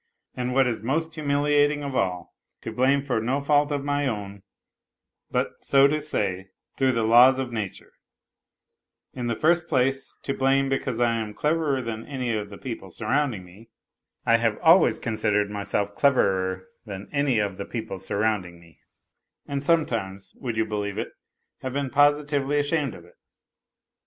And what is most humiliating of all, to blame for no fault of my own but, so to say, through the laws of nature. In the first place, to blame because I am cleverer than any of the people surrounding me. (I have always considered myself cleverer than any of the people surrounding me, and sometimes, would you believe it, have been positively ashamed of it.